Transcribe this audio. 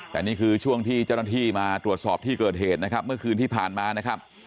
แต่นี่คือช่วงที่เจ้าหน้าที่มาตรวจสอบที่เกิดเหตุนะครับเมื่อคืนที่ผ่านมานะครับ